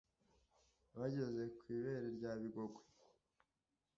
Bageze ku ibere rya Bigogwe